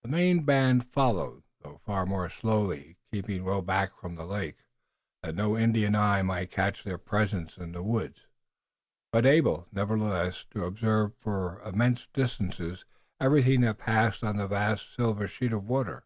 The main band followed, though far more slowly, keeping well back from the lake, that no Indian eye might catch their presence in the woods, but able, nevertheless, to observe for immense distances everything that passed on the vast silver sheet of water.